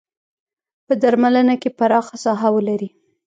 په درملنه کې پراخه ساحه ولري.